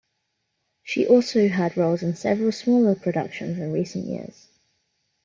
She also had roles in a several smaller productions in recent years.